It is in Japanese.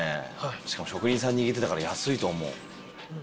しかも職人さん握ってたから安いと思う。